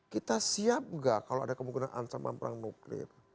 kita siap nggak kalau ada kemungkinan ancaman perang nuklir